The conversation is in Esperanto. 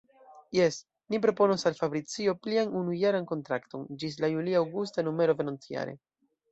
Jes, ni proponos al Fabricio plian unujaran kontrakton, ĝis la julia-aŭgusta numero venontjare.